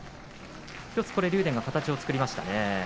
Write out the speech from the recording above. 竜電が形を作りました。